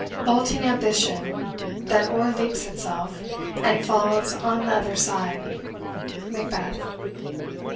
Vaulting ambition, that o'erleaps itself, And falls on t'other side. MACBETH.